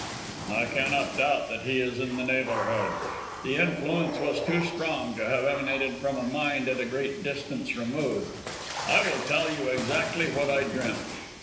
"I cannot doubt that he is in the neighbourhood. The influence was too strong to have emanated from a mind at a great distance removed. I will tell you exactly what I dreamt."